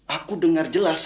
aku dengar jelas